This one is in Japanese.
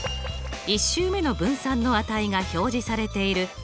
１週目の分散の値が表示されている